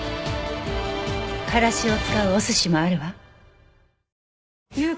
カラシを使うお寿司もあるわ。